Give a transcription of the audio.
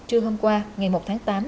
trưa hôm qua ngày một tháng tám